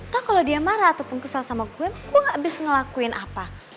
kan kalau dia marah ataupun kesel sama gue gue gak abis ngelakuin apa